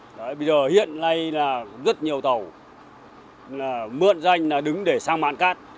đấy bây giờ hiện nay là rất nhiều tàu mượn danh là đứng để sang mạng cát